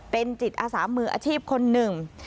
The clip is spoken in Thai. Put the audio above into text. เป็นจิตอาสามืออาชีพคนหนึ่ง